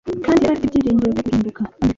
kandi yari afite n’ibyiringiro byo guhinduka